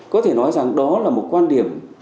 có thể nói rằng đó là một quan điểm